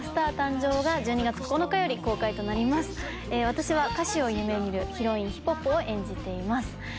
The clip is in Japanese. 私は歌手を夢見るヒロインヒポポを演じています。